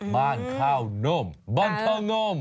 บ้านข้าวหนมบ้านข้าวหนม